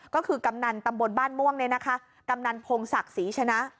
ก็คือกำนันตำบลบ้านม่วงเนี่ยนะคะกำนันพงศักดิ์ศรีชนะ